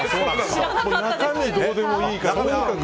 中身はどうでもいいから。